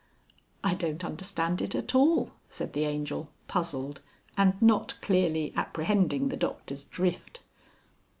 "I don't understand it at all," said the Angel, puzzled, and not clearly apprehending the Doctor's drift.